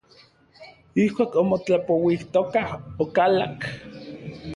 Ijkuak omotlapouijtokaj, okalak.